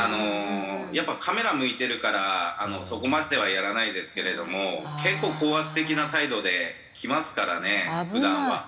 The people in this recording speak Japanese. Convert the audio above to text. やっぱりカメラ向いてるからそこまではやらないですけれども結構高圧的な態度できますからね普段は。